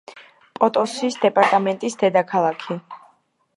პოტოსის დეპარტამენტის დედაქალაქი.